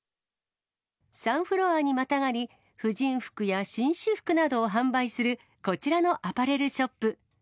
３フロアにまたがり、婦人服や紳士服などを販売するこちらのアパレルショップ。